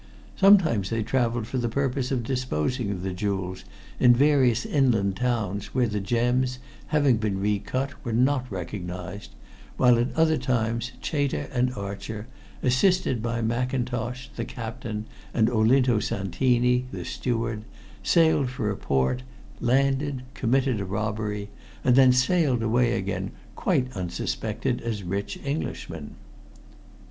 Sometimes they traveled for the purpose of disposing of the jewels in various inland towns where the gems, having been recut, were not recognized, while at other times, Chater and Archer, assisted by Mackintosh, the captain, and Olinto Santini, the steward, sailed for a port, landed, committed a robbery, and then sailed away again, quite unsuspected, as rich Englishmen."